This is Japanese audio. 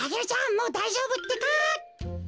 もうだいじょうぶってか。